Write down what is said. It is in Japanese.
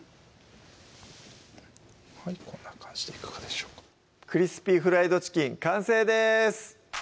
はいこんな感じでいかがでしょうか「クリスピーフライドチキン」完成です